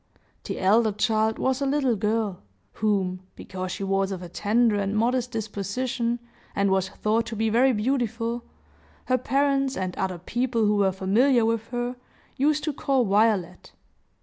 The elder child was a little girl, whom, because she was of a tender and modest disposition, and was thought to be very beautiful, her parents, and other people who were familiar with her, used to call Violet.